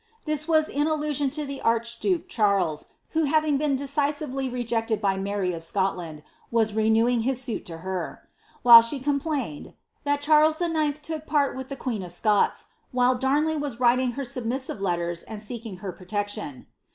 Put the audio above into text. "' This was in allusion to the archduke Charles, who having been deci sively rejected by Mary of Scotland, was renewing his suit to her. Sha complBined that Charies IX. took part with the queen of Scota, while Samley was writing her submissive letters and seeking her protectioa."